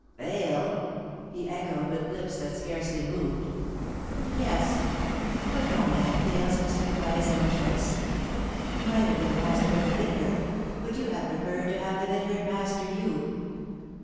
"Fail!" he echoed, with lips that scarcely moved. "Yes, for no man fails except by his own choice. You might have been master of the vineyard, but you have preferred to have the vineyard master you.